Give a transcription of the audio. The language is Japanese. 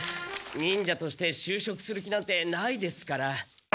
忍者として就職する気なんてないですから。